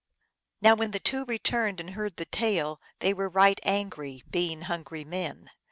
Now when the two returned and heard the tale they were right angry, being hungry men.